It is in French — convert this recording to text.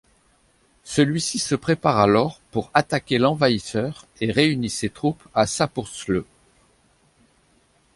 Celui-ci se prépare alors pour attaquer l'envahisseur et réunit ses troupes à Sapourtzle.